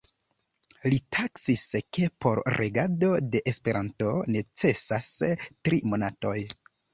li taksis ke por regado de Esperanto necesas tri monatoj.